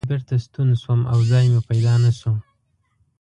نهیلی بېرته ستون شوم او ځای مې پیدا نه شو.